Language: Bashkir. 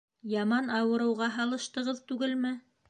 Яман ауырыуға һалыштығыҙ түгелме?